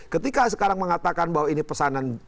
ketika sekarang mengatakan bahwa ini pesanan